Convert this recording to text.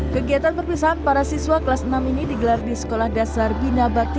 kegiatan perpisahan para siswa kelas enam ini digelar di sekolah dasar bina bakti